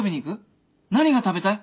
何が食べたい？